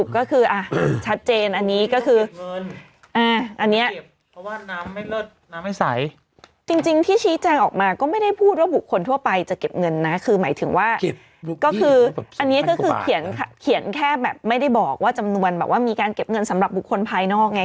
คืออันนี้ก็คือเขียนแค่แบบไม่ได้บอกว่าจำนวนแบบว่ามีการเก็บเงินสำหรับบุคคลภายนอกไง